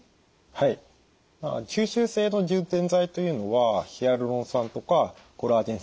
はい吸収性の充填剤というのはヒアルロン酸とかコラーゲン製剤になります。